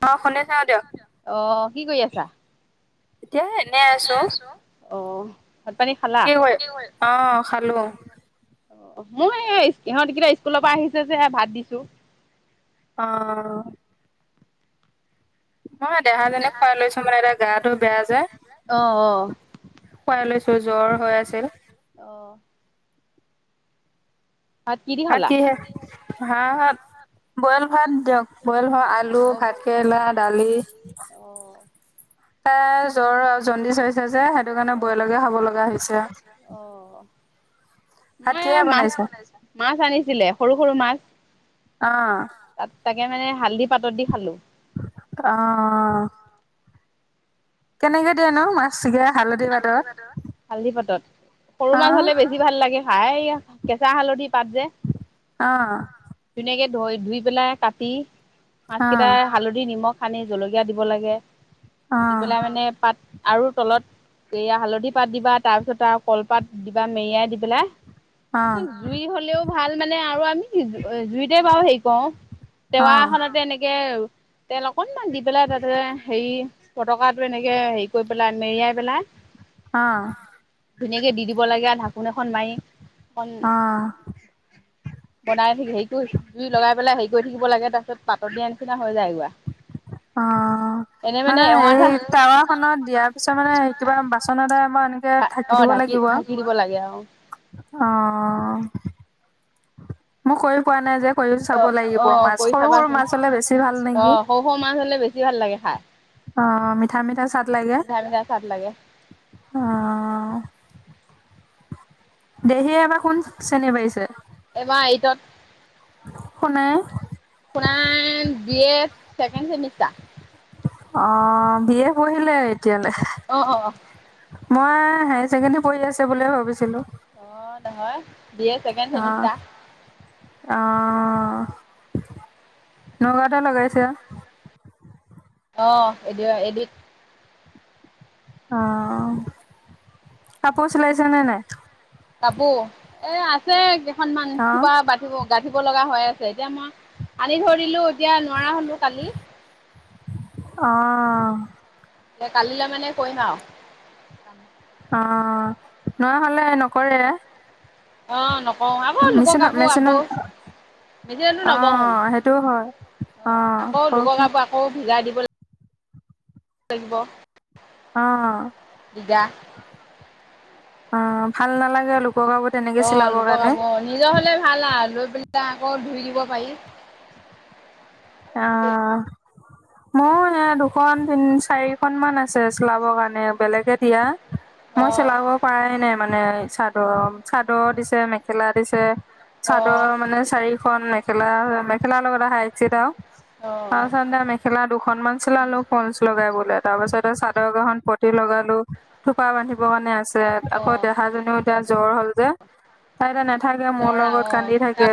অ, সোন অ, কি কৰি আছা? এতিয়া হে এনে আছো, অ, ভাত পানী খালা? কি কৰি অ, খালো। মই সিহঁত কেই স্কুলৰ পৰা আহিছে যে, ভাত দিছো। অ, নহয়, দেহা জনীক খুৱাই লৈছো, মানে এতিয়া গাটো বেয়া যে। অ', অ', খুৱাই লৈছো, জ্বৰ হৈ আছিল। অ, ভাত কি দি হাত, খালা? কিহে হা, হাত বইল ভাত দিয়ক, বইল আলু, ভাত কেৰেলা, দালি। দালি। অ', অ' এ, জ্বৰ, জণ্ডিচ হৈছে যে, সেইটো কাৰণে বইলকে খাব লগা হৈছে। অ, ভাত মই কিহে এই, বনাইছে মাছ আনিছিলে সৰু, সৰু মাছ অ, তাত, তাকে মানে, হালধি পাতত দি খালো। অ, কেনেকে দিয়েনো মাছগে হালধি পাতত পাতত সৰু অ মাছ হ'লে বেছি যি ভাল লাগে খাই, এয়া কেঁচা হালধি পাত যে অ, ধুনীয়াকে ধই, ধুই, পেলাই কাটি, মাছ অ কেইটা হালধি নিমখ সানি, জলকীয়া দিব লাগে, দি পেলাই অ মানে পাত আৰু তলত এইয়া হালধি পাত দিবা, তাৰপিছত আৰু কলপাত দিবা মেৰিয়াই দি পেলাই অ, জুই হ'লেও ভাল মানে আৰু আমি জুইতে, বাৰু হেৰি কওঁ। অ অ টেৱাখনতে এনেকে তেল অকনমান দি পেলাই, তাতে হেৰি ফটকা টো এনেকে হেৰি কৰি পেলাই, মেৰিয়াই পেলাই। অ, ধুনীয়াকে দি দিব লাগে আৰু ঢাকোন এখন মাৰি, এখন অ বনাই থ, হেৰি কৰি জুই লগাই পেলাই হেৰি কৰি থাকিব লাগে, তাৰপিছত পাতত দিয়া নিচিনা হৈ যায় গৈ। অ, মানে এৱাঠা হেৰি, তাৱা খনত, দিয়াৰ পিছত মানে কিবা বাচন এটা, আমাৰ এনেকে অ ধাকি দিব ঢাকি লাগিব আৰু। ঢাকি দিব লাগে। অ, অ, মই কৰি পোৱা নাই যে, কৰি অ চাব অ লাগিব, মাছ কৰি সৰু সৰু চাবাচোন মাছ হ'লে বেছি ভাল অ নেকি? সৰু সৰু মাছ হ'লে, বেছি ভাল লাগে খাই। অ, মিঠা, মিঠা, চাট লাগে। হ'লে বেছি ভাল লাগে খাই মিঠা মিঠা চাদ লাগে অ, দেহীয়ে এবাৰ কোন, শ্ৰেণী পাইছে। এইবাৰ এইটত। সুনাই সুনাই জিয়েক, ছেকেণ্ড চেমিষ্টাৰ। অ, বিয়ে পঢ়িলে, এতিয়ালে অ অ অ মই হায়াৰ ছেকেণ্ডেৰী পঢ়ি আছে বুলিয়ে ভাবিছিলোঁ। অ', নহয় বি এ ছেকেণ্ড চেমিষ্টাৰ। অ', নগাঁৱতে লগাইছে। অ', [unintelligible] এদিত। অ', কাপোৰ চিলাইছে নে নাই? কাপোৰ এ, আছে কেইখনমান অ', থুপা বান্ধীৱ গাঠিব লগা হৈ আছে, এতিয়া মই আনি থৈ দিলোঁ, এতিয়া নোৱাৰা হলোঁ কালি। অ',। এ, কালিলৈ মানে কৰিম আৰু। অ', নোৱাৰা হ'লে নকৰে? অ', নকওঁ আকৌ লোকৰ মেচিনত কাপো আকৌ। মেচিনত এতিয়াতো নবহোঁ, অ', সেইটোও হয়। অ', অ', আকৌ লোকৰ কওকচোন কাপো আকৌ ভিজাই দিব [inaudible] [unintelligible] অ',। [unintelligible] অ', ভাল নালাগে লোকৰ কাপু তেনেকে অ' চিলাবৰ লোকৰ কাৰণে। কাপোৰ নিজৰ হ'লে ভাল আৰু লৈ পেলাই আকৌ ধুই দিব পাৰি। অ',। [unintelligible] দুখন তিন চাৰিখন মান আছে চিলাবৰ কাৰণে বেলেগে দিয়া। মই অ' চিলাব পৰাাই নাই মানে [inaudible] [inaudible] চাদৰ দিছে মেখেলা দিছে চাদৰ অ' মানে চাৰি [unintelligible] মেখেলা মেখেলা লগত আহা এক ছেত অ' আৰু [unintelligible] মেখেলা দুখনমানান চিলালো ফলচ লগাই [unintelligible] তাৰ পাছতে চাদৰ কিখন পতি লগালোঁ। থোপা বান্ধিবৰ কাৰণে আছে, আকৌ অ' দেহাজনীও এতিয়া জ্বৰ হ'ল যে। তাইতে নাথাকে, মোৰ জৰা লগত অ' কান্দি তাক থাকে।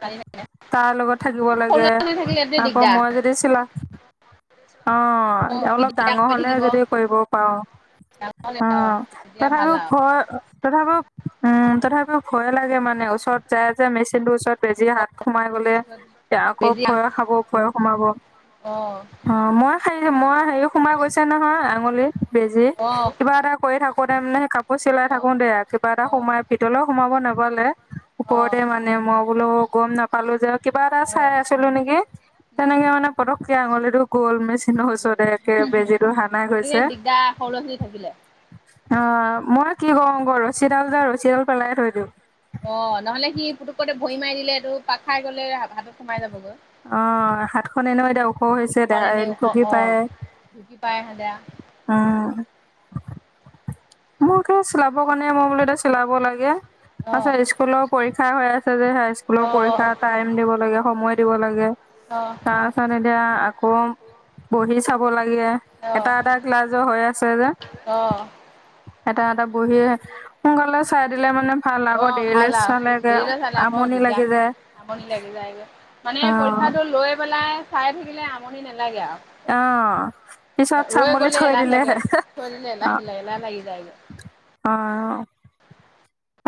পাৰি থাকে তাৰ লগত থাকিব সৰু লাগ ল'ৰা ছোৱালী থাকিলে এইটোৱে [inaudible] আকৌ দিগদাৰ মই যদি চিলা [inaudible] অ,। আকৌ [inaudible] সি অলপ দিগদাৰ ডাঙৰ কৰি হ'লে থাকিব যদি কৰিব পাৰোঁ। ডাঙৰ হ'লে অ', তেতিয়া ভাল তথাপিও আৰু ভয় তথাপিও উম, তথাপিও ভয়ে লাগে মানে ওচৰত যায় যে মেচিনটোৰ ওচৰত বেজি হাত সোমাই গ'লে বেজি [unintelligible] ভয় খাব ভয়ো সোমাব। অ' অ', মই [unintelligible] মই হেৰি সোমাই গৈছে নহয়, আঙুলি বেজি অ' কিবা এটা কৰি থাকোতে মানে কাপোৰ চিলাই থাকোতে, কিবা এটা সোমাই ভিতৰলৈ সোমাব নাপালে। অ' ওপৰতে অ' মানে মই বোলো গম নাপালোঁ যে কিবা [inaudible] [unintelligible] অ' আছিলোঁ নেকি, তেনেকে মানে পটককে আঙুলিটো গ'ল [inaudible] জোল [unintelligible] একে বেজিটো হানাই গতিকে গৈছে। দিগদাৰ সৰু ল'ৰা ছোৱালী থাকিলে। অ', মই কি [unintelligible] আকৌ ৰছীডাল যে ৰছীডাল পেলাই থৈ দিওঁ। অ', নহ'লে সি পুতুকতে ভৰি মাৰি দিলে, এইটো পাক খাই গ'লে হাতত সোমাই যাবগৈ। অ', হাতখন এনেও এতিয়াওঁ ওখ হৈছে হাতখন এনেই ওখ [unintelligible] অ' পায়। ঢুকি পাই [unintelligible] [unintelligible] [unintelligible] চিলাব কাৰণে মই বোলো এতিয়া চিলাব লাগে, অ' তাৰপিছত স্কুলত পৰীক্ষা হৈ আছে যে, হাইস্কুলৰ অ' পৰীক্ষা টাইম দিব লাগে, সময় দিব লাগে। অ',। তাৰপিছত এতিয়া আকৌ বহি চাব লাগে। অ' এটা এটা ক্লাছৰ হৈ আছে যে। অঁ এটা এটা বহী সোনকালে চাই দিলে মানে ভাল আক' অ' ভাল দেৰিলৈ আৰু চালেগে দেৰিলৈ চালে আকৌ আমনি দিগদাৰ লাগি যায়। আমনি লাগি যায়গৈ, মানে অ পৰীক্ষাটো লৈ পেলাই চাই থাকিলে আমনি নেলাগে আৰু। অ' পিছত চাম ৰৈ বুলি গ'লে থৈ এলাহ দিলে। লাগে থৈ দিলে এলাহ অ' এলাহ লাগি যায়গৈ অ'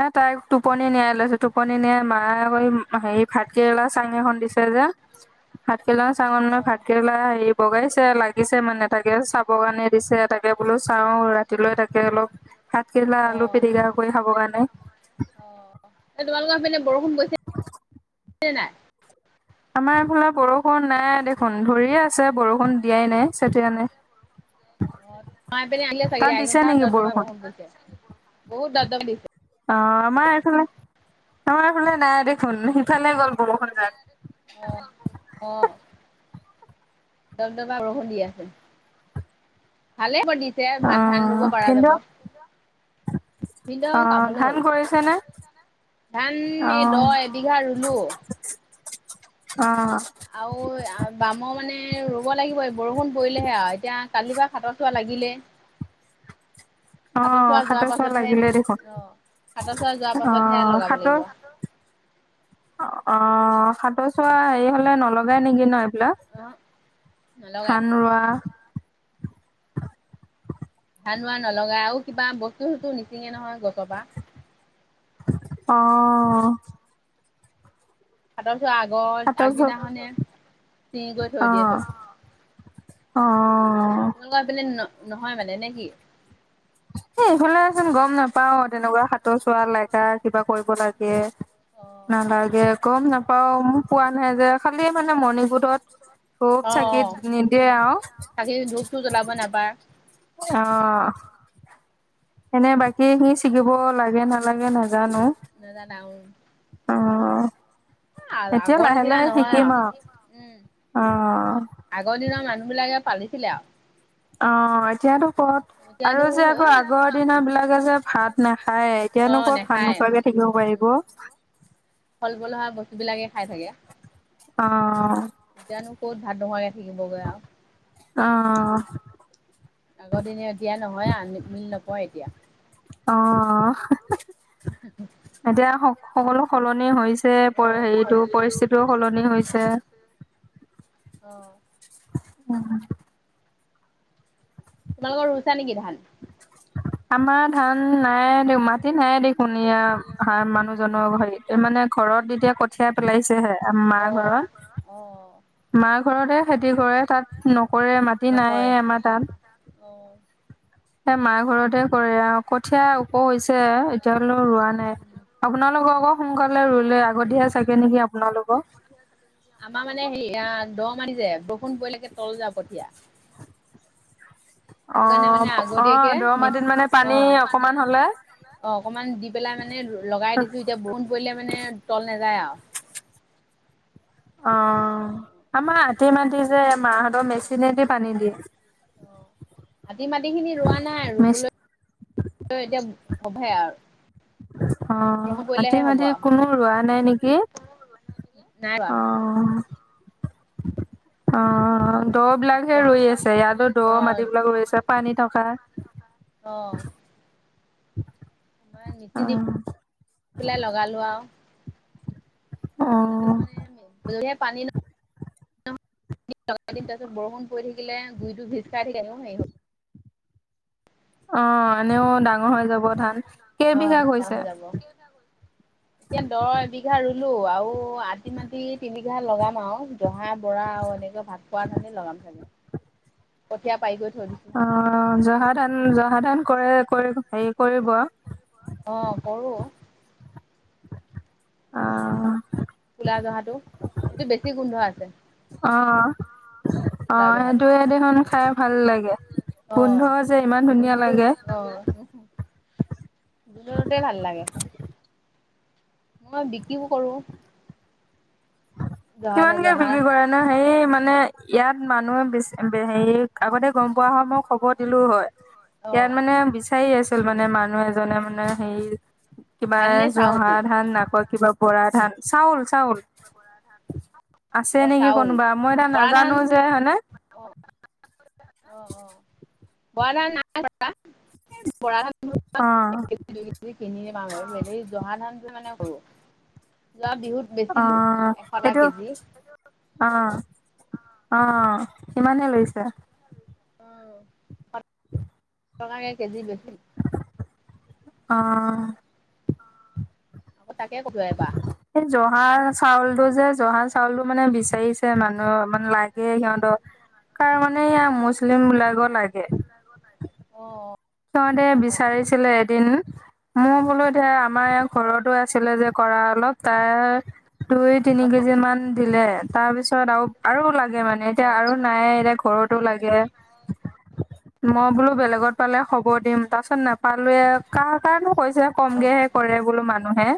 এ তাই টোপনি নিয়াই লৈছো। টোপনি নিয়াই মায়ে আকৌ হেৰি ভাত কেৰেলা চাং এখন দিছে যে [unintelligible] ভাতকেৰেলা চাঙক মানে ভাতকেৰেলা বগাইছে লাগিছে মানে তাকে চাব কাৰণে দিছে, তাকে বোলো চাওঁ ৰাতিলৈ তাকে অলপ ভাত কেৰেলা অ' আলু অ' পিটিকা কৰি খাবৰ কাৰণে। অ', এ তোমালোকৰ পিনে বৰষুণ পৰিছে নাই? আমাৰ এইফালে বৰষুণ নাই দেখোন, ধৰিয়ে আছে বৰষুণ দিয়াই নাই চতিয়া নাই। [inaudible] আমাৰ ই পিনে আনিলে চাগে তাত আহ দিছে পুৰা নেকি দপদমাই বৰষুণ পৰিছে বহুত দপদপ দিছে। অ' আমাৰ এইফালে আমাৰ এইফালে নাই দেখোন, সিফালে গ'ল বৰষুনজাক অ', অ' দপদবাই বৰষুণ দিয আছে। ভালে হ'ব দি তে অ ধান ধান ৰুব পৰা ভিনদেউ যাব। ভিনদেউ অ কামলৈ ধান গ'ল। কৰিছে নে ধান এই দ অ এবিঘা ৰুলো। অ' আৰু বামৰ মানে ৰুব লাগিব বৰষুণ পৰিলেহে আৰু, এতিয়া কালিপা সাতৰ চুৱা লাগিলে। [unintelligible] সাতৰ অ', চুৱা যোৱাৰ চোৱা পাছতহে, লাগিলে দেখোন অ' সাতৰ চুৱা যোৱাৰ পাছতহে অ', লগাব সাতৰ লাগিব। অ' সাতৰ চুৱা হেৰি হ'লে নলগাই নেকি ন এইবিলাক অ', নলগাই। ধান ৰোৱা? ধান ৰোৱা নলগাই, আৰু কিবা বস্তু চস্তু নিচিঙে নহয় গছৰ পৰা। অ' সাতৰ চুৱা আগৰ সাতৰ চোৱা আগদিনাখনে চিঙি গৈ থৈ দিয়ে অ', চব। অ' তোমালোকৰ সেইফালে ন নহয় মানে নে কি? এ ইফালেচোন গ'ম নাপাও তেনেকুৱা? সাঁতৰ চুৱা লাগা কিবা কৰিব লাগে। অ নালাগে গ'ম নাপাওঁ মোক কোৱা নাই যে। খালি মানে অ মনিকূঠত ধূপ চাকিত নিদিয়ে আৰু। খালি ধূপতো জ্বলাব নাপায়। অ'- এনে বাকীখিনি চিঙিব লাগে নালাগে নাজানো। নাজানা আৰু? অ' আগ এতিয়া আগৰ লাহে নিচিনা লাহে নহয় শিকিম আও আৰু। অ আগৰ দিনৰ মানুহ বিলাকে পালিছিলে আৰু। অ' এতিয়াতো কৰত আৰু এতিয়াতো যে আকৌ আগৰ দিনৰ বিলাকে যে ভাত নাখায়, অ এতিয়ানো ক'ত ভাত নাখায় নোখোৱাকে থাকিব পাৰি- উম ব। ফল মূল হোৱা বস্তু বিলাকে খাই থাকে। অঁ' এতিয়ানো ক'ত ভাত নোখোৱাকে থাকিবগৈ অ আৰু, অঁ'। আগৰ দিন এতিয়া নহয়, আ মিল নপৱে এতিয়া। অঁ' [unintelligible] এতিয়া স সকলো সলনি হৈছ- হেৰিটো পৰিস্থিতিও হৈছে সলনি হৈছে। অঁ'- উম উম'। [inaudible] তোমালোকৰ ৰুইছা নেকি ধান? [inaudible] আমাৰ ধান নাই দি মাটি নাইয়ে দেখোন এয়া মানুহজনৰ ঘৰিত। এই মানে ঘৰত এতিয়া কঠিয়া পেলাইছেহে, আ মা অ', ঘৰত। অ', মাৰ ঘৰতহে খেতি কৰে, তাত নকৰে মাটি নায়ে আমাৰ তাত। অঁ' হে মাৰ ঘৰতে কৰে আ অঁ, আমাৰ কঠীয়া ওখ ঘৰতে কৰে। হৈছে এতিয়ালৈ ৰোৱা নাই। আপোনালোক আকৌ সোনকালে ৰুলে, আগতীয়া চাগে নেকি আপোনালোকৰ? আমাৰ মানে হেৰি আঁ দ' মাটি যে বৰষুণ পৰিলেগে তল যাব এতিয়া। কাৰণে মানে অঁ' আগতীয়াকে অঁ' দ' মাটিত মানে পানী অকমান হলে- অঁ অকমান দি পেলাই মানে লগাই দিছো এতিয়া বৰষুন পৰিলে মানে তল নাযায় আৰু। অঁ' আমা আধি মাটি যে মাহঁতৰ মেচিনেদি পানী দিয়ে। অঁ' আধি মাটি খিনি ৰোৱা নাই মেচ ৰুবলৈ এতিয়া হবহে আৰু। অঁ' বৰষুণ আটি পৰিলেহে হ'ব মাটি আৰু। কোনো ৰোৱা নাই নেকি? নাই ৰোৱা। অঁ' অঁ'। দ' বিলাকহে ৰুই আছে ইয়াতো দ' মাটিবিলাক ৰুই আছে পানী থকা। অঁ' মানে নিপি দিপ অ' পেলাই লগালোঁ আও। অ' যদিহে পানী ন- [unintelligible] তাৰপাছত বৰষুণ পৰি থাকিলে গুৰিতো ভিজ খাই থাকিলে এনেও হেৰি হব। অঁ' এনেও ডাঙৰ হৈ যাব ধান। কেইবিঘা অঁ' ডাঙৰ কৰিছে হৈ যাব, এতিয়া দঁ' এবিঘা ৰুলো আৰু- অ' আতি মাটি তিনিবিঘা লগাম আৰু জহা বৰা আৰু এনেকে ভাত পোৱা ধানেই লগাম চাগে। কঠীয়া পাৰি কৈ থৈ দিছো। অঁ' জহা ধান জহা ধান কৰে কৰিব হেৰি কৰিব। অঁ' কৰো। অঁ' কুলা জহাটো। সেইটো বেছি গোন্ধ আছে। অঁঅ' অঁ ক'লা জহাটো সেইটোয়ে দেখোন খাই ভাল লাগে, গোন্ধ যে ইমান ধুনীয়া লাগে। অঁ' গোন্ধতোতে ভাল লাগে, মই বিক্ৰীও কৰোঁ। কিমানকে জহা বিক্ৰী কৰা? মানে হেৰি মানে, ইয়াত মানুহে বেচি, হেৰি আগতে গম পোৱা হয়, মই খবৰ দিলোঁ হয়। অ ইয়াত মানে, বিচাৰি আছিল মানে, মানুহ এজনে মানে হেৰি কিবা ধান নে চাউল জহা ধান, আকৌ কিবা বৰা ধান, চাউল- চাউল। কিবা বৰা ধান। আছে নেকি কোনোবা, মই এতিয়া বৰা ধান নাজানো যে, হয়নে? অ', [unintelligible] বৰা ধান নাই কটা, এই বৰা ধান অ [unintelligible] দুই কেজি কিনিম আৰু এইবোৰ এনে জহা ধানটো মানে কৰোঁ, যোৱা বিহুত বেচিলো অ', এশ টকা এইটো কেজি অ', অ ', কিমানে লৈছে? অ', [unintelligible] এশ টকাকে কেজি বেছিম। অ'। আকৌ তাকে ক'লো এবাৰ। এই, জহা চাউলটো যে, জহা চাউলটো মানে বিচাৰিছ গে মানুহক, মানে লাগে সিহঁতক কাৰ মানে এয়া মুছলিম বিলাকৰ লাগে। অ' সিহঁতে বিচাৰিছিলে এদিন, মই বোলো এতিয়া আমাৰ এওঁ অ ঘৰতো আ ছিলে যে, কৰা অলপ তাৰে দুই তিনি কেজি মান দিলে, তাৰপিছত আৰু আৰু লাগে মানে অ এতিয়া আৰু নাই এতিয়া ঘৰত। তো লাগে। অ', ঘৰটো মই বোলো বেলেগত পালে খবৰ দিম, তাৰপিছত নাপালোৱে কাৰ কাৰনো কৰিছে কমকেহে কাৰণেহে কৰে বোলো মানুহে।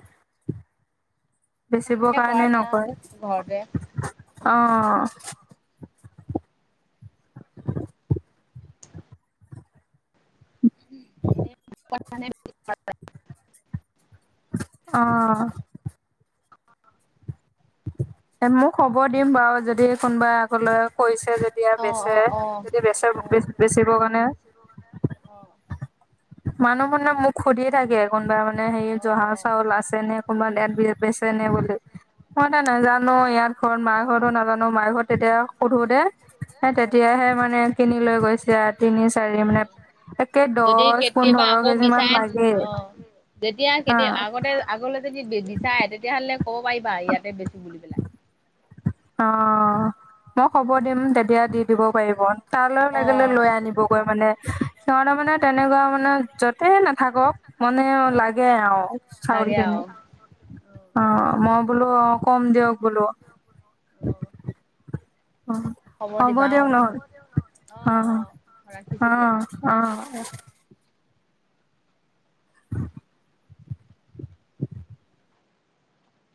বেচিবৰ কৰা কাৰণে যায় ন নকৰে, ঘৰতে অ'। [unintelligible] অ' এ, মই খবৰ দিম বাৰু যদি কোনোবাই আগলৈ কৰিছে যদি আৰু অ অ বেচে। অ অ যদি বেচে, বে বেচিব কাৰণে। অ' মানুহ খনে মোক সুধি থাকে। কোনোবা মানে সেই অ অ জহা চাউল আছে নে, কোনোবা [unintelligible] বেচে নে বুলি। মই এতিয়া অ নাজানো নহয়, ইয়াত ঘৰত, মাৰ ঘৰতো নাজানো, মাৰ ঘৰত তেতিয়া সোধোতে সে অ তেতিয়াহে মানে কিনি লৈ গৈছে আৰু তিনি চাৰি মানে একে যদি দচ কেতিয়াবা পোন্ধৰ আকৌ কেজি মান বিচাৰে লাগেই। অ যেতিয়া, কেতিয়া, আগতে আগলে যদি বি-বিচাৰে, তেতিয়াহ'লে ক'ব পাৰিবা, ইয়াতে বেছি বুলি পেলাই। অ', মই খবৰ দিম, তেতিয়া দি দিব পাৰিব। তালৈ অ উলাই গ'লে লৈ আনিবগৈ মানে, সিহঁতৰ অ মানে তেনেকুৱা মানে য'তে নাথাকক মানে অ লাগে আৰু চাউল লাগে খিনি। [unintelligible] অ', মই বোলো, অ', কম দিয়ক বোলো। অ'। অ' খবৰ হ'ব দিবা, দিয়ক অ', হব নহ'লে দিয়ক অ', অ', অ', ৰাখিছোঁ দিয়া। অঁ। [inaudible] [inaudible]